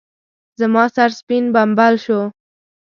زما سر سپين بمبل شو.